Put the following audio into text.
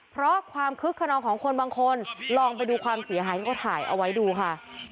เพราะความคึกขนองของคนบางคนลองไปดูความเสียหายที่เขาถ่ายเอาไว้ดูค่ะ